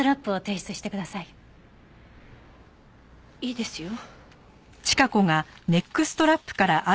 いいですよ。